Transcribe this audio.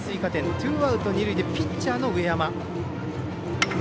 ツーアウト、二塁でピッチャーの上山。